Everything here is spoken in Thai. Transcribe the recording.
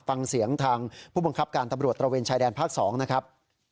ฟังเสียงทางผู้บังคับการตำรวจตระเวนชายแดนภาค๒นะครับ